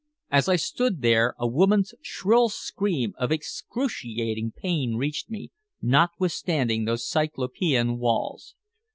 As I stood there a woman's shrill scream of excruciating pain reached me, notwithstanding those cyclopean walls.